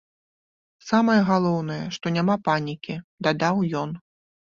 Самае галоўнае, што няма панікі, дадаў ён.